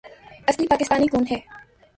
اصلی پاکستانی کون ہے